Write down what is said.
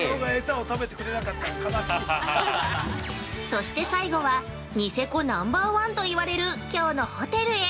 ◆そして最後はニセコ・ナンバーワンと言われるきょうのホテルへ。